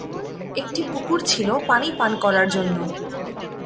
একটি পুকুর ছিল পানি পান করার জন্য।